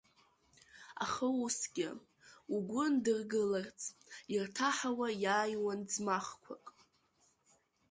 Аха усгьы, угәы ндыргыларц, ирҭаҳауа иааиуан ӡмахқәак.